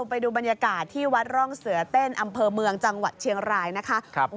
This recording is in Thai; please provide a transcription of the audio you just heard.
ไปดูบรรยากาศที่วัดร่องเสือเต้นอำเภอเมืองจังหวัดเชียงรายนะคะ